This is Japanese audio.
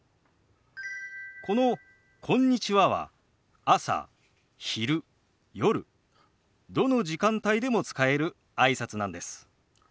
この「こんにちは」は朝昼夜どの時間帯でも使えるあいさつなんです。